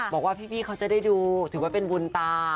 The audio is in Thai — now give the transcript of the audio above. บอกว่าพี่เขาจะได้ดูถือว่าเป็นบุญตา